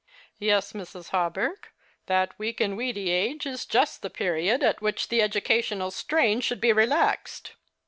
" Yes, Mrs. Hawberk, and that weak and weedy age is just the period at which the educational strain should be relaxed.